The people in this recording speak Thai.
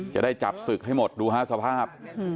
จะได้จับศึกให้หมดดู๕สภาพ